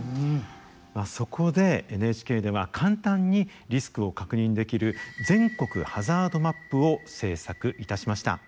そこでＮＨＫでは簡単にリスクを確認できる全国ハザードマップを制作いたしました。